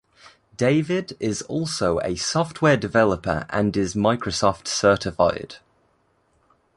David is also a software developer and is Microsoft Certified.